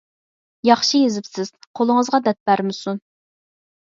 ياخشى يېزىپسىز، قولىڭىزغا دەرد بەرمىسۇن.